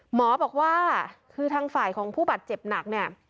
หมอบอกว่าคือทางฝ่ายของผู้บาดเจ็บหนักเนี่ย